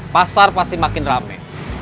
pasar pasti makin rame